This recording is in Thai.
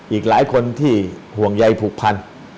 อีกหลายคนที่ห่วงใยผูกพัน